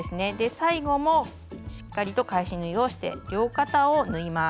最後もしっかりと返し縫いをして両肩を縫います。